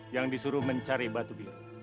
yang disuruh mencari batu biru